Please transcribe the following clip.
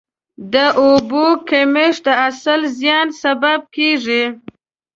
د اوبو کمښت د حاصل زیان سبب کېږي.